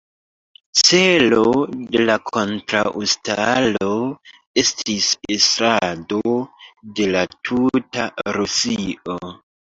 Celo de kontraŭstaro estis estrado de la tuta Rusio.